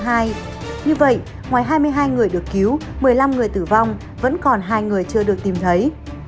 như vậy ngoài hai mươi hai người được cứu một mươi năm người tử vong vẫn còn hai người chưa được tìm thấy